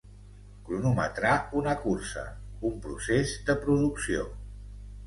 Cronometrar una cursa, un procés de producció.